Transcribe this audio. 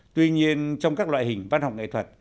tuy nhiên trong các loại hình văn học nghệ thuật